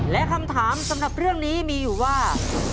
และคำถามสำหรับเรื่องนี้มีอยู่ว่า